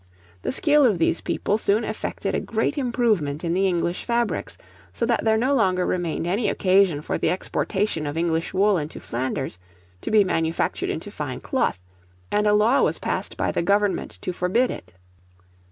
The skill of these people soon effected a great improvement in the English fabrics, so that there no longer remained any occasion for the exportation of English wool into Flanders, to be manufactured into fine cloth; and a law was passed by the government to forbid it.